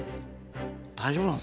大丈夫なんですか？